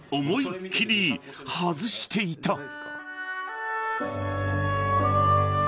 ［思いっ切り外していた］